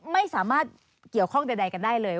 ไม่สามารถเกี่ยวข้องใดกันได้เลย